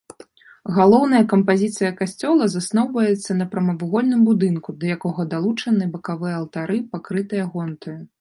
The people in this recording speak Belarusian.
Галоўная кампазіцыя касцёла засноўваецца на прамавугольным будынку, да якога далучаны бакавыя алтары, пакрытыя гонтаю.